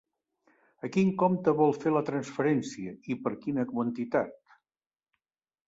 A quin compte vol fer la transferència, i per quina quantitat?